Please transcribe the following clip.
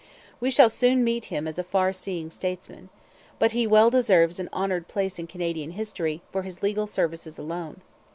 We shall soon meet him as a far seeing statesman. But he well deserves an honoured place in Canadian history for his legal services alone.